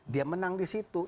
dia menang disitu